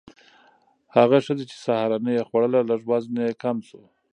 هغه ښځې چې سهارنۍ یې خوړله، لږ وزن یې کم شو.